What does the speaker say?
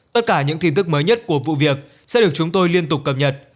tất cả những tin tức mới nhất của vụ việc sẽ được chúng tôi liên tục cập nhật